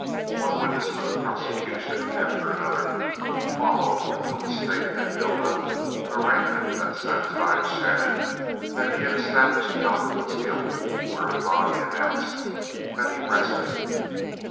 One witness for the prosecution after another followed until the State had built up an arraignment that satisfied Shannon that he had established Cowperwood's guilt, whereupon he announced that he rested.